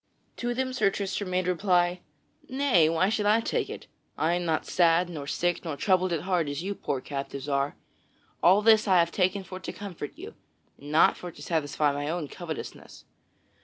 To them Sir Tristram made reply: "Nay, why should I take it? I am not sad, nor sick, nor troubled at heart as you poor captives are. All this I have taken for to comfort you, and not for to satisfy my own covetousness.